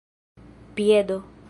piedo